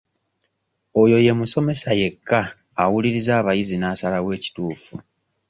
Oyo ye musomesa yekka awuliriza abayizi n'asalawo ekituufu.